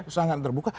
sudah sangat terbuka